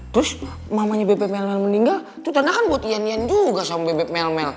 terus mamanya bebek melmel meninggal itu tanda kan buat iyan iyan juga sama bebek melmel